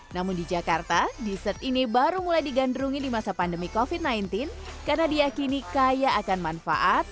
namun di jakarta dessert ini baru mulai digandrungi di masa pandemi covid sembilan belas karena diakini kaya akan manfaat